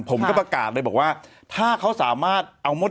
ผมก็ประกาศเลยบอกว่าถ้าเขาสามารถเอามด